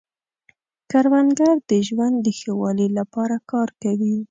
کروندګر د ژوند د ښه والي لپاره کار کوي